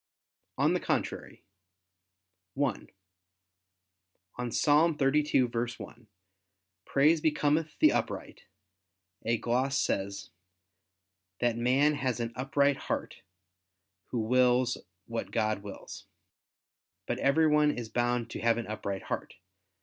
On the contrary, (1) On Ps. 32:1, "Praise becometh the upright," a gloss says: "That man has an upright heart, who wills what God wills." But everyone is bound to have an upright heart.